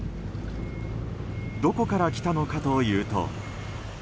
どこから来たのかというと。